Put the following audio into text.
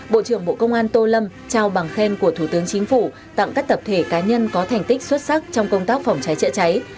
bộ trưởng bộ công an tô lâm trao bằng khen của thủ tướng chính phủ tặng các tập thể cá nhân có thành tích xuất sắc trong công tác phòng cháy chữa cháy